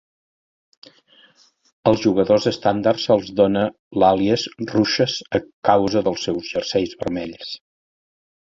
Als jugadors estàndard se'ls dona l'àlies "Rouches" a causa dels seus jerseis vermells.